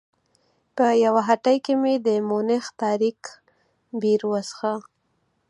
په یوه هټۍ کې مې د مونیخ تاریک بیر وڅښه.